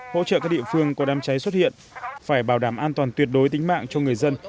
hỗ trợ các địa phương có đám cháy xuất hiện phải bảo đảm an toàn tuyệt đối tính mạng cho người dân